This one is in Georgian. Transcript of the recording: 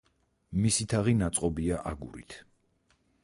მისი თაღი ნაწყობია აგურით.